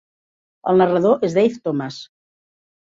El narrador és Dave Thomas.